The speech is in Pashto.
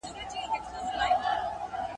ځینې خلک فکر کوي غږونه ریښتیا دي.